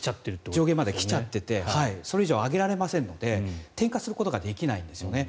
上限まで来ちゃっててそれ以上上げられませんので転嫁することができないんですよね。